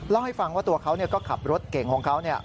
เล่าให้ฟังว่าตัวเขาก็ขับรถเก่งของเขา